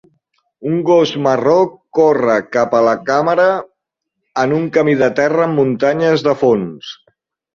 Un gos marró corre cap a la càmera en un camí de terra amb muntanyes de fons.